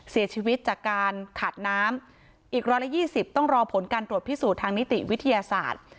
เสียชีวิตจากการขาดน้ำอีก๑๒๐ต้องรอผลการตรวจพิสูจน์ทางนิติวิทยาศาสตร์